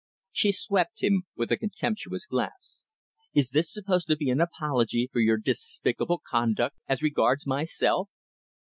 She swept him with a contemptuous glance. "Is this supposed to be an apology for your despicable conduct as regards myself?"